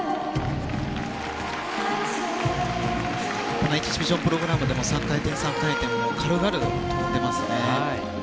このエキシビションプログラムでも３回転３回転を軽々跳んでますね。